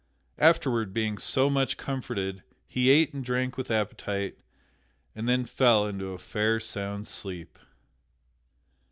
Afterward, being so much comforted, he ate and drank with appetite, and then fell into a fair sound sleep.